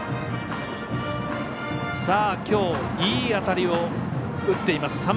きょう、いい当たりを打っています